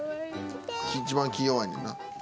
一番気ぃ弱いねんな。